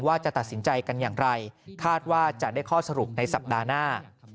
ว่าจะตัดสินใจกันอย่างไรคาดว่าจะได้ข้อสรุปในสัปดาห์หน้า